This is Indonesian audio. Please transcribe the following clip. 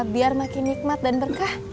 biar makin nikmat dan berkah